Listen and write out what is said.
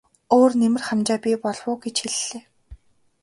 Өөр нэмэр хамжаа бий болов уу гэж хэллээ.